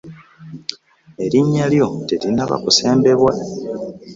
Erinnya lyo terinnaba kusembebwa.